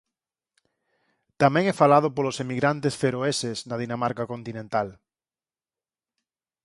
Tamén é falado polos emigrantes feroeses na Dinamarca continental.